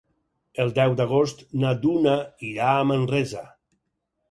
El deu d'agost na Duna irà a Manresa.